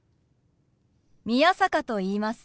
宮坂と言います。